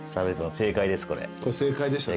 正解でしたね。